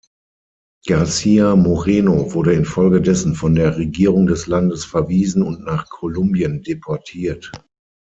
García Moreno wurde infolgedessen von der Regierung des Landes verwiesen und nach Kolumbien deportiert.